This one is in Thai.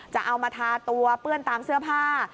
จะเอามาทาตัวเปื้อนตามเสื้อผ้า